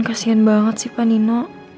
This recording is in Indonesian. kasian banget sih panino